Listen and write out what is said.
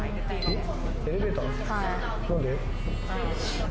えっ！？